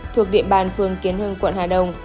thuộc địa bàn phương kiến hưng quận hà đông